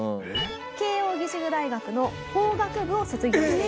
慶應義塾大学の法学部を卒業しています。